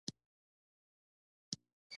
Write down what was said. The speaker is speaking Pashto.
تنور د اوږدو کارونو پایله ده